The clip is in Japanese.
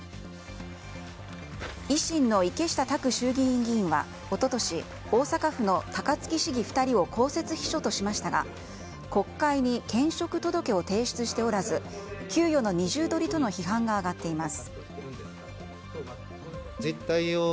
維新の池下卓衆議院議員は大阪府の高槻市議２人を公設秘書としましたが国会に兼職届を提出しておらず給与の二重どりとの批判が上がっています。